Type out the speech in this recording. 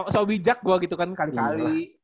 so bijak gue gitu kan kali kali